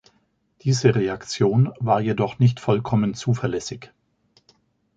Diese Reaktion war jedoch nicht vollkommen zuverlässig.